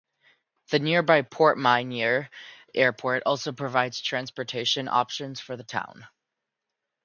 The nearby Port-Menier Airport also provides transportation options for the town.